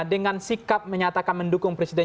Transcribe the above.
dengan sikap menyatakan mendukung presiden